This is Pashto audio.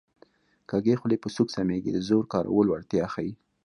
کږې خولې په سوک سمېږي د زور کارولو اړتیا ښيي